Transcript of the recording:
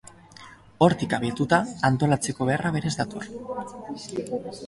Hortik abiatuta, antolatzeko beharra berez dator.